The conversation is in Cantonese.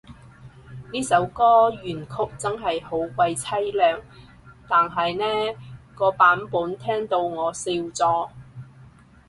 呢首歌原曲真係好鬼淒涼，但係呢個版本聽到我笑咗